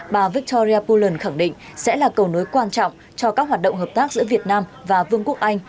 bà victoria pullen khẳng định sẽ là cầu nối quan trọng cho các hoạt động hợp tác giữa việt nam và vương quốc anh